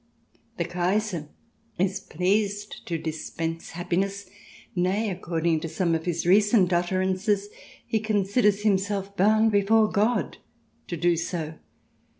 The Kaiser is pleased to dispense happiness — nay, according to some of his recent utterances he con siders himself bound before God to do so.